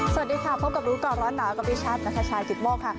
สวัสดีค่ะพบกับรู้ก่อนร้อนหนาวกับดิฉันนัทชายกิตโมกค่ะ